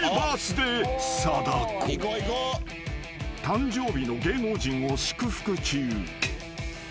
［誕生日の芸能人を祝福中］